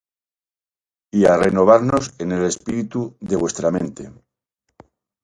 Y á renovarnos en el espíritu de vuestra mente,